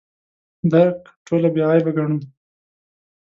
درک ټوله بې عیبه ګڼو.